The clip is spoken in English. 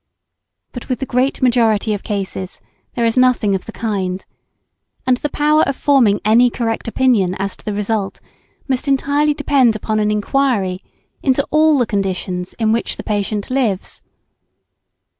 But with the great majority of cases, there is nothing of the kind; and the power of forming any correct opinion as to the result must entirely depend upon an enquiry into all the conditions in which the patient lives.